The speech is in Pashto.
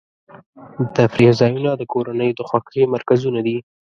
د تفریح ځایونه د کورنیو د خوښۍ مرکزونه دي.